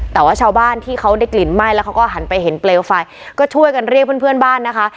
แต่ว่าชาวบ้านที่เขาได้กลิ่นไหม้แล้วเขาก็หันไปเห็นเปลวไฟก็ช่วยกันเรียกเพื่อนเพื่อนบ้านนะคะ